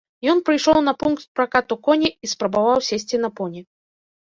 Ён прыйшоў на пункт пракату коней і спрабаваў сесці на поні.